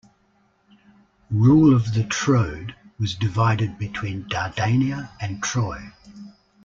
Rule of the Troad was divided between Dardania and Troy.